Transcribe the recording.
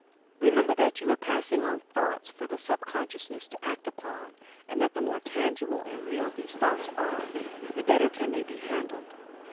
Remember that you are passing on "thoughts" for the sub consciousness to act upon, and that the more tangible and real these thoughts are, the better can they be handled.